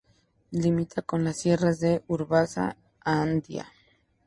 Limita con las sierras de Urbasa-Andía.